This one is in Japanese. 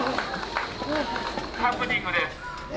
ハプニングです。